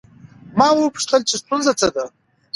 ما وپوښتل چې ستونزه څه ده؟